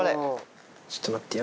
ちょっと待ってよ。